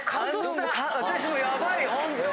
私もヤバいホント。